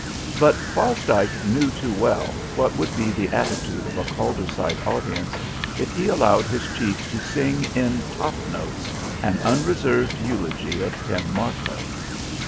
But Fosdike knew too well what would be the attitude of a Calderside audience if he allowed his chief to sing in top notes an unreserved eulogy of Tim Martlow.